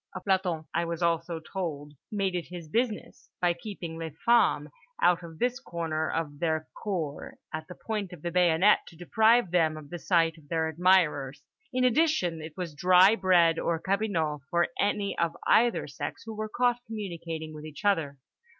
A planton, I was also told, made it his business, by keeping les femmes out of this corner of their cour at the point of the bayonet to deprive them of the sight of their admirers. In addition, it was dry bread or cabinot for any of either sex who were caught communicating with each other.